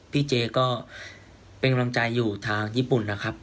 เจ๊ก็เป็นกำลังใจอยู่ทางญี่ปุ่นนะครับ